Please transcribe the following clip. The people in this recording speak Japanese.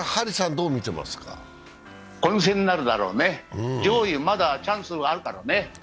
混戦になるだろうね、上位まだチャンスあるからね。